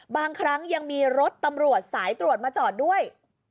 บางครั้งยังมีรถตำรวจสายตรวจมาจอดด้วย